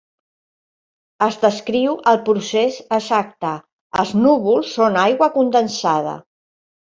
Es descriu el procés exacte: els núvols són aigua condensada.